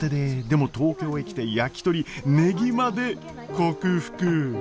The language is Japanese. でも東京へ来て焼き鳥ねぎまで克服。